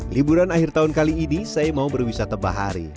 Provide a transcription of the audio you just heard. liburan akhir tahun kali ini saya mau berwisata bahari